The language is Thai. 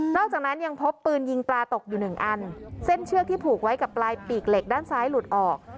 จากนั้นยังพบปืนยิงปลาตกอยู่หนึ่งอันเส้นเชือกที่ผูกไว้กับปลายปีกเหล็กด้านซ้ายหลุดออก